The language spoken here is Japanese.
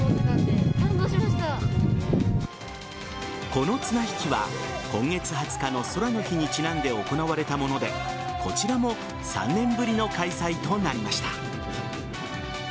この綱引きは今月２０日の空の日にちなんで行われたものでこちらも３年ぶりの開催となりました。